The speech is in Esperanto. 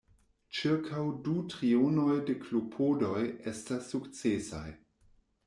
Ĉirkaŭ du trionoj de klopodoj estas sukcesaj.